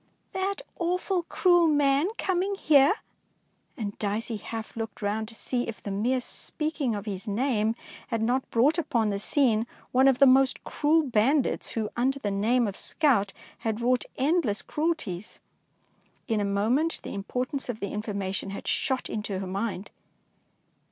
" That awful, cruel man coming here!'^ and Dicey half looked round to see if the mere speaking of his name had not brought upon the scene one of the most cruel bandits who under the name of scout had wrought endless cruelties. In a moment the impor tance of the information had shot into her mind